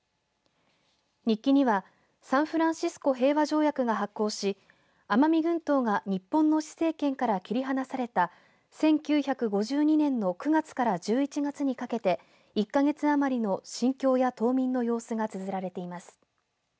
日記にはサンフランシスコ平和条約が発効し奄美群島は日本の施政権から切り離された１９５２年の９月から１１月にかけて１か月余りの心境や島民の様子がつづられています。